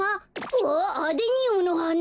あっアデニウムのはな。